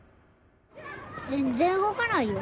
全然動かないよ。